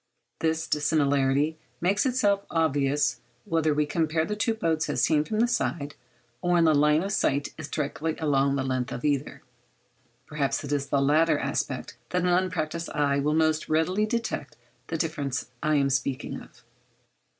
This dissimilarity makes itself obvious whether we compare the two boats as seen from the side, or when the line of sight is directed along the length of either. Perhaps it is in the latter aspect that an unpractised eye will most readily detect the difference I am speaking of.